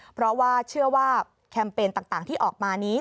เพราะว่าเชื่อว่าแคมเปญต่างที่ออกมานี้